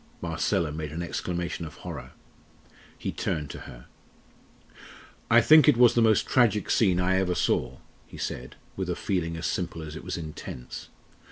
Marcella made an exclamation of horror. He turned to her. "I think it was the most tragic scene I ever saw," he said with a feeling as simple as it was intense.